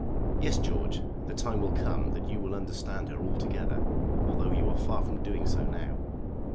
"Yes, George; the time will come that you will understand her altogether although you are far from doing so now."